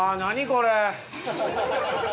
これ。